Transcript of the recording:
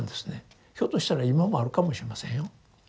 ひょっとしたら今もあるかもしれませんよ。